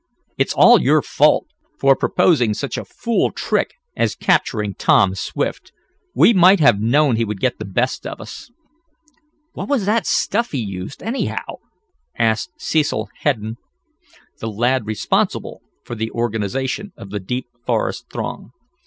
"It's all your fault, for proposing such a fool trick as capturing Tom Swift. We might have known he would get the best of us." "What was that stuff he used, anyhow?" asked Cecil Hedden, the lad responsible for the organization of the Deep Forest Throng.